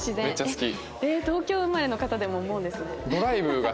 東京生まれの方でも思うんですね。